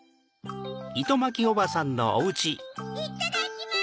・いただきます！